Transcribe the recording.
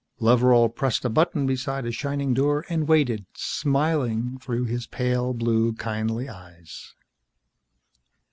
Loveral pressed a button beside a shining door and waited, smiling through his pale blue kindly eyes.